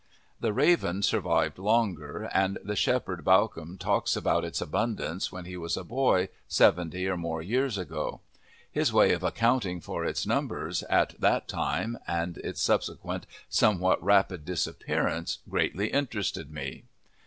The raven survived longer, and the Shepherd Bawcombe talks about its abundance when he was a boy, seventy or more years ago. His way of accounting for its numbers at that time and its subsequent, somewhat rapid disappearance greatly interested me.